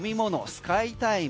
スカイタイム。